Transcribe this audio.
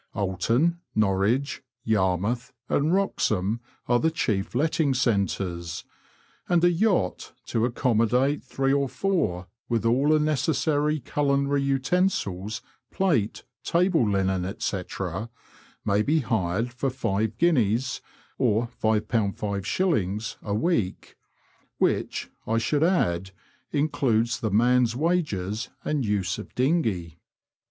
Oulton, Norwich, Yarmouth, and Wroxham are the chief letting centres, and a yacht to accommodate three or four, with all necessary culinary utensils, plate, table linen, &c„ may be hired for £5 5/ a week, which, I should add, includes the man's wages and use of dinghey.